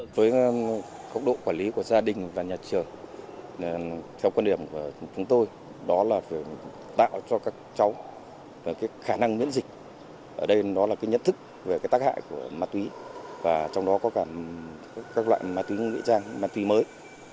cháu có khả năng biễn dịch nhận thức về tác hại của ma túy và trong đó có các loại ma túy mỹ trang ma túy mới